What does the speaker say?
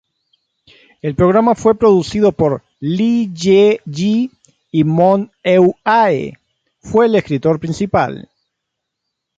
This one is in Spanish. El programa fue producido por Lee Ye-ji y Moon-Eun-ae fue el escritor principal.